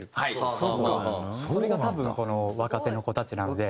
それが多分この若手の子たちなんで。